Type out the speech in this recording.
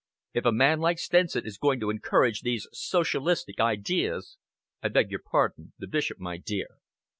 "If a man like Stenson is going to encourage these socialistic ideas. I beg your pardon the Bishop, my dear."